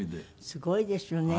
すごいですよね。